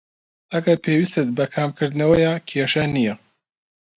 ئەگەر پێویستت بە کەمکردنەوەیە، کێشە نیە.